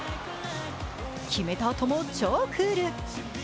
決めたあとも超クール。